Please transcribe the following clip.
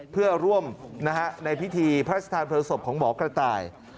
เพื่อร่วมในพิธีพระราชทานเพลิงศพของหมอกระต่าย